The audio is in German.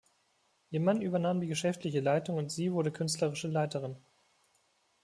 Ihr Mann übernahm die geschäftliche Leitung und sie wurde künstlerische Leiterin.